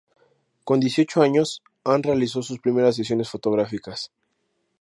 Con dieciocho años Ann realizó sus primeras sesiones fotográficas.